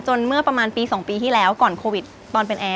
เมื่อประมาณปี๒ปีที่แล้วก่อนโควิดตอนเป็นแอร์